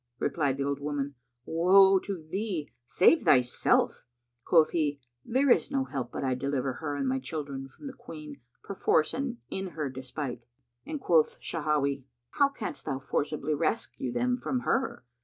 Replied the old woman, "Woe to thee! Save thyself." Quoth he, "There is no help but I deliver her and my children from the Queen perforce and in her despite;" and quoth Shawahi, "How canst thou forcibly rescue them from her?